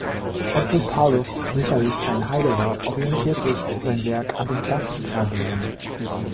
Obwohl Paulus sicherlich kein Heide war, orientiert sich sein Werk an den klassischen Vorbildern.